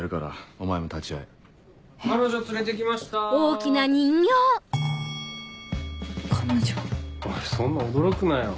おいそんな驚くなよ。